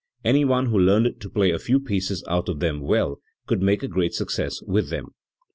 Any one who learned to play a few pieces out of them well could make a great success with them"*.